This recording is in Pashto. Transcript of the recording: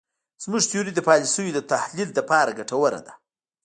زموږ تیوري د پالیسیو د تحلیل لپاره ګټوره ده.